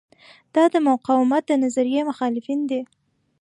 دا د مقاومت د نظریې مخالفین دي.